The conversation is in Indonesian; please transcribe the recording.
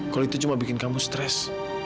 kalau itu cuma bikin kamu stres